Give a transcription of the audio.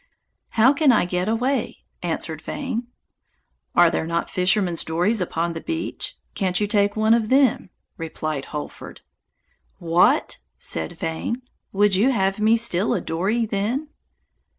"How can I get away?" answered Vane. "Are there not fishermen's dories upon the beach? Can't you take one of them?" replied Holford. "What!" said Vane, "would you have me steal a dory then?"